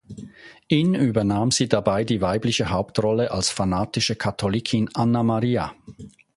In übernahm sie dabei die weibliche Hauptrolle als fanatische Katholikin Anna Maria.